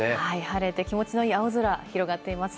晴れて気持ちのいい青空が広がっています。